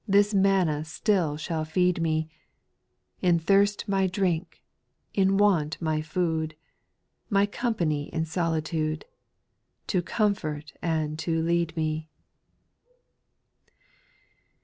275 This manna still shall feed me ; In thirst my drink, in want my food, My company in solitude, To comfort and to lead me I 8.